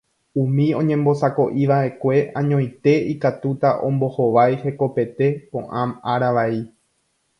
Umi oñembosako'iva'ekue añoite ikatúta ombohovái hekopete ko'ã ára vai.